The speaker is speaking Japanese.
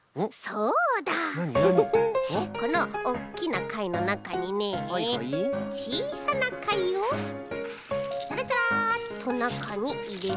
このおっきなかいのなかにねちいさなかいをザラザラッとなかにいれて。